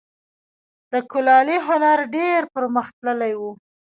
د کلالي هنر ډیر پرمختللی و